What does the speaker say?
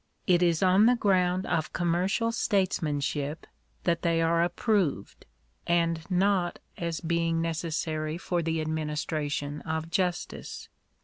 It is on the ground of commercial statesmanship that they are approved ; and not as being necessary for the administration of justice.